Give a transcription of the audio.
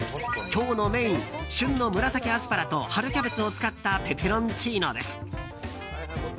今日のメイン旬の紫アスパラと春キャベツを使ったペペロンチーノです。